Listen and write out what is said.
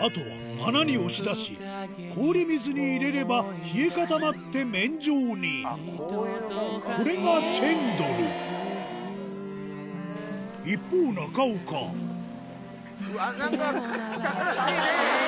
あとは穴に押し出し氷水に入れれば冷え固まって麺状にこれがチェンドル一方中岡うわっなんか汚らしいね！